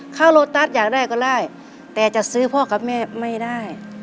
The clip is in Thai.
โลตัสอยากได้ก็ได้แต่จะซื้อพ่อกับแม่ไม่ได้